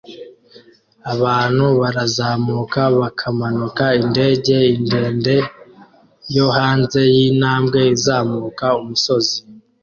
Abantu barazamuka bakamanuka indege ndende yo hanze yintambwe izamuka umusozi